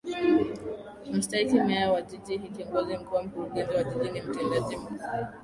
Mstahiki Meya wa Jiji ni Kiongozi Mkuu na Mkurugenzi wa Jiji ni Mtendaji Mkuu